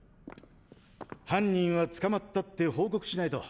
犯人は捕まったって報告しないと！